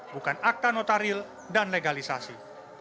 bukan akta notaril dan legalisasi